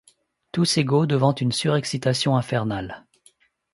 Tous égaux devant une surexcitation infernale…